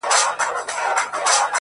ما ويل څه به ورته گران يمه زه.